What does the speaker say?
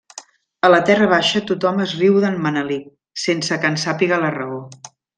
A la Terra baixa tothom es riu d'en Manelic, sense que en sàpiga la raó.